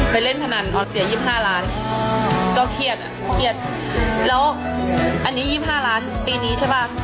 ไปเล่นพนันอ่อนเสีย๒๕ล้านก็เครียดแล้วอันนี้๒๕ล้านปีนี้ใช่ป่ะ